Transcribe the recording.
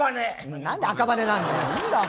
何で赤羽なんだよ。